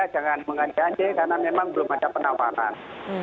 jangan mengajak saja karena memang belum ada penawaran